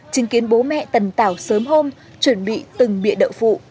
chứng kiến bố mẹ tần tảo sớm hôm chuẩn bị từng bịa đậu phụ